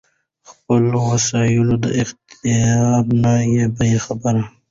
د خپلــــــو وسائیلـــــــو د اختیار نه بې خبره